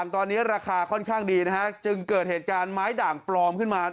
ตอนนี้ราคาค่อนข้างดีนะฮะจึงเกิดเหตุการณ์ไม้ด่างปลอมขึ้นมา